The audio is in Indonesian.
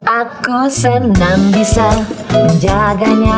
aku senang bisa menjaganya